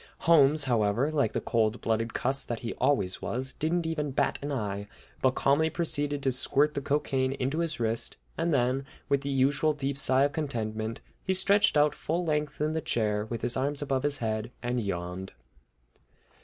Holmes, however, like the cold blooded old cuss that he always was, didn't even bat an eye, but calmly proceeded to squirt the cocaine into his wrist, and then, with the usual deep sigh of contentment, he stretched out full length in the chair, with his arms above his head, and yawned.